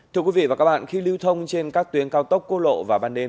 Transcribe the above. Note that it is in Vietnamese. thưa quý vị và các bạn khi lưu thông trên các tuyến cao tốc cốt lộ và ban đêm